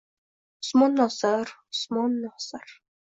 Usmon Nosir, Usmon Nosir..